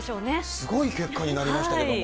すごい結果になりましたけれども。